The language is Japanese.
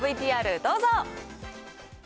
ＶＴＲどうぞ。